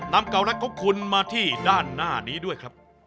เก่ารักของคุณมาที่ด้านหน้านี้ด้วยครับ